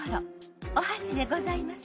おはしでございます。